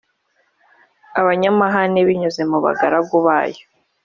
abanyamahane binyuze mu bagaragu bayo